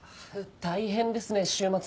大変ですね週末まで。